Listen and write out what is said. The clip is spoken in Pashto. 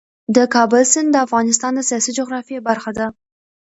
د کابل سیند د افغانستان د سیاسي جغرافیې برخه ده.